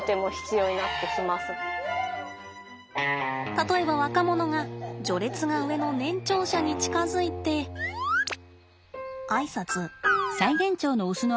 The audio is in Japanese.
例えば若者が序列が上の年長者に近づいてあいさつ。